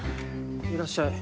いらっしゃい。